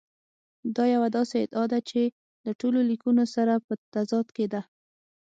دا یوه داسې ادعا ده چې له ټولو لیکونو سره په تضاد کې ده.